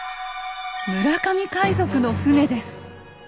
村上海賊の船です。